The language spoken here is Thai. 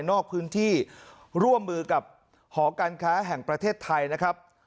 นอกพื้นที่ร่วมมือกับหอการค้าแห่งประเทศไทยนะครับ